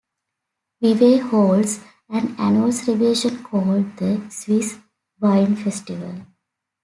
Vevay holds an annual celebration called the Swiss Wine Festival.